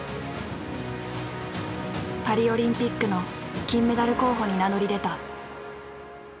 パリオリンピックの金メダル候補に名乗り出た。